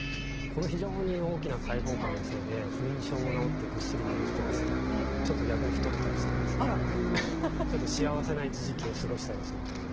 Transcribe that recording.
この非常に大きな解放感のせいで不眠症も治ってぐっすり眠ってちょっと逆に太ったりして幸せな一時期を過ごしたりするという。